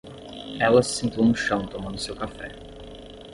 Ela se sentou no chão tomando seu café.